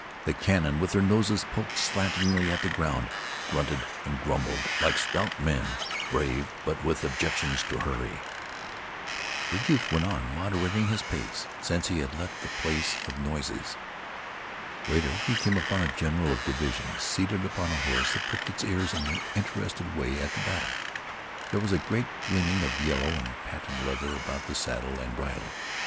The cannon with their noses poked slantingly at the ground grunted and grumbled like stout men, brave but with objections to hurry. The youth went on, moderating his pace since he had left the place of noises. Later he came upon a general of division seated upon a horse that pricked its ears in an interested way at the battle. There was a great gleaming of yellow and patent leather about the saddle and bridle.